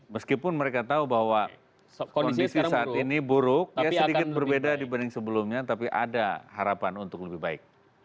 meskipun mereka tahu bahwa kondisi saat ini buruk ya sedikit berbeda dibanding sebelumnya tapi ada harapan untuk lebih baik